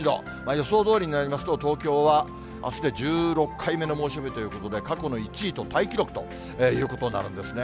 予想どおりになりますと、東京はあすで１６回目の猛暑日ということで、過去の１位とタイ記録ということになるんですね。